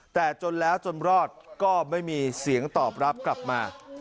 แต่จนแล้วจนรอดก็ไม่มีเสียงตอบรับกลับมา